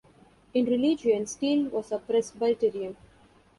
In religion, Steel was a Presbyterian.